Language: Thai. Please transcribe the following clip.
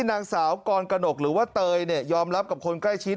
นางสาวกรกะหนกหรือว่าเตยนี่ยอมรับคุณใกล้ชิด